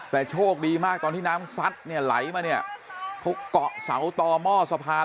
แต่โชคดีมากตอนที่น้ำซัดเนี่ยไหลมาเนี่ยเขาเกาะเสาต่อหม้อสะพาน